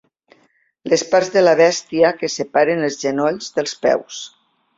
Les parts de la bèstia que separen els genolls dels peus.